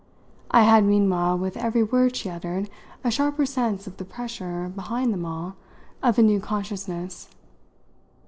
I had meanwhile with every word she uttered a sharper sense of the pressure, behind them all, of a new consciousness.